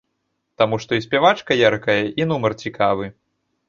Таму што і спявачка яркая, і нумар цікавы.